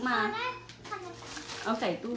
เท่าเวลาไม่เดื้อ